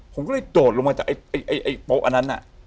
ผมก็เลยโดดลงมาจากไอ้โป๊ะอันนั้นน่ะ